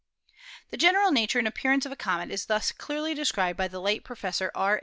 The general nature and appearance of a comet is thus clearly described by the late Professor R.